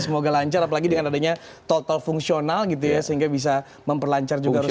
semoga lancar apalagi dengan adanya total fungsional gitu ya sehingga bisa memperlancar juga arus mudik